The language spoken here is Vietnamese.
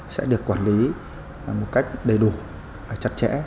sẽ được quản lý một cách đầy đủ chặt chẽ